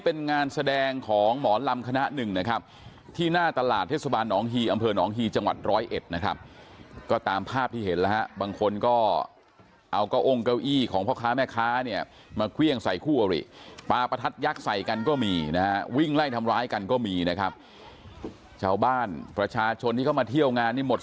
เป็นงานแสดงของหมอลำคณ๑นะครับที่หน้าตลาดเทศบาลนองฮีอำเภอนองฮีจังหวัดร้อยเอ็ดนะครับก็ตามภาพที่เห็นแล้วบางคนก็เอาก้าวองค์เก้าอี้ของพ่อค้าแม่ค้าเนี่ยมาเครื่องใส่คู่บริปาปราศักดิ์ยักษ์ใส่กันก็มีนะฮะวิ่งไล่ทำร้ายกันก็มีนะครับเจ้าบ้านประชาชน